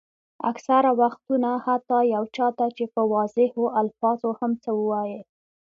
اکثره وختونه حتیٰ یو چا ته چې په واضحو الفاظو هم څه وایئ.